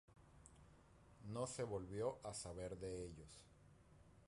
No se volvió a saber de ellos.